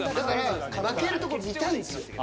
だから負けるとこ見たいんすよ。